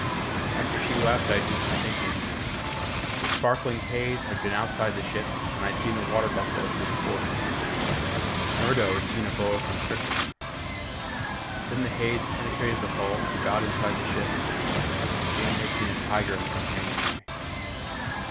After she left I did some thinking. The sparkling haze had been outside the ship and I'd seen a water buffalo through the port. Murdo had seen a boa constrictor. Then the haze penetrated the hull and got inside the ship. And Jane had seen a tiger in the companionway.